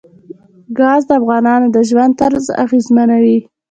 ګاز د افغانانو د ژوند طرز اغېزمنوي.